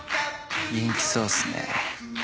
元気そうっすね。